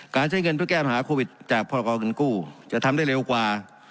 ใช้เงินเพื่อแก้ปัญหาโควิดจากพรกรเงินกู้จะทำได้เร็วกว่า